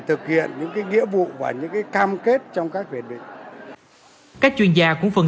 thực hiện những cái nghĩa vụ và những cái cam kết trong các hiệp định này các chuyên gia cũng phân